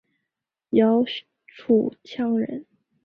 姚绪羌人。